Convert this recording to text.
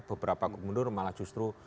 beberapa komendor malah justru